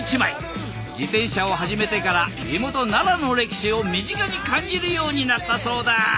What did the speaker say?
自転車を始めてから地元奈良の歴史を身近に感じるようになったそうだ。